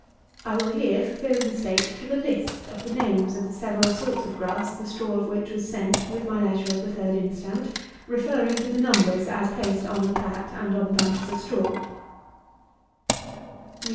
I will here, for fear of mistake, give a list of the names of the several sorts of grass, the straw of which was sent with my letter of the 3d instant, referring to the numbers, as placed on the plat and on the bunches of straw.